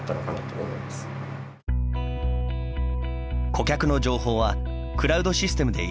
顧客の情報はクラウドシステムで一元管理。